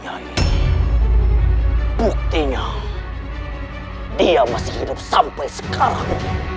buktinya dia masih hidup sampai sekarang